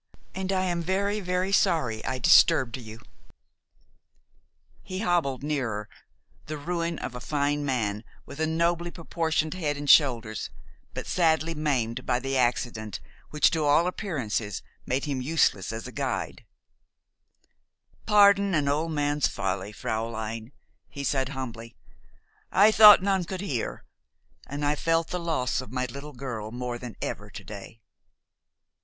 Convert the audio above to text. And I am very, very sorry I disturbed you." [Illustration: "I fear I have alarmed you, fräulein." Page 88] He hobbled nearer, the ruin of a fine man, with a nobly proportioned head and shoulders, but sadly maimed by the accident which, to all appearances, made him useless as a guide. "Pardon an old man's folly, fräulein," he said humbly. "I thought none could hear, and I felt the loss of my little girl more than ever to day."